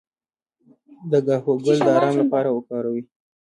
د کاهو ګل د ارام لپاره وکاروئ